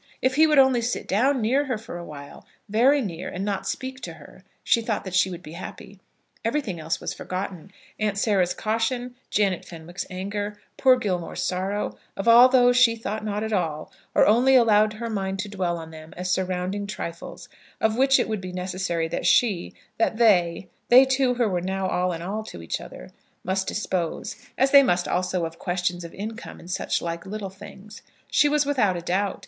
If he would only sit down near her for awhile, very near, and not speak to her, she thought that she would be happy. Everything else was forgotten. Aunt Sarah's caution, Janet Fenwick's anger, poor Gilmore's sorrow, of all these she thought not at all, or only allowed her mind to dwell on them as surrounding trifles, of which it would be necessary that she, that they they two who were now all in all to each other must dispose; as they must, also, of questions of income, and such like little things. She was without a doubt.